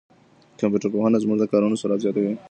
کمپيوټر پوهنه زموږ د کارونو سرعت زیاتوي.